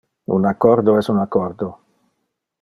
Un accordo es un accordo.